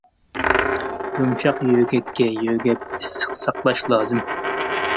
يۇمشاق يۆگەككە يۆگەپ ئىسسىق ساقلاش لازىم.